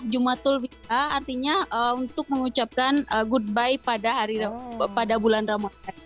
jumatul wida artinya untuk mengucapkan goodbye pada bulan ramadhan